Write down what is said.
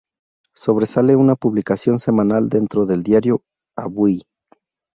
Sobresale una publicación semanal dentro del diario "Avui".